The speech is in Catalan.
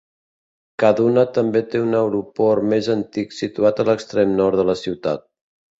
Kaduna també té un aeroport més antic situat a l'extrem nord de la ciutat.